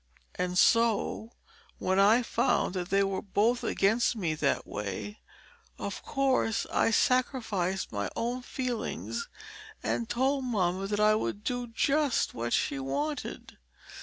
"And so, when I found that they were both against me that way, of course I sacrificed my own feelings and told mamma that I would do just what she wanted.